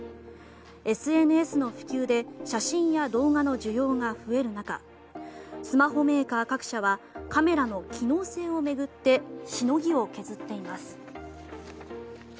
ＳＮＳの普及で写真や動画の需要が増える中スマホメーカー各社はカメラの機能性を巡ってしのぎを削っています。